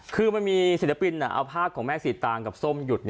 คือมันมีศิลปินเอาภาพของแม่สีตางกับส้มหยุด